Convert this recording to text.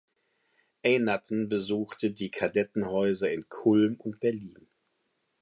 Eynatten besuchte die Kadettenhäuser in Kulm und Berlin.